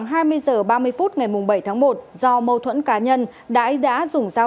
khi mình giúp đỡ được người dân